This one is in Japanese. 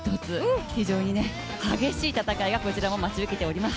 非常に激しい戦いがこちらも待ち受けています。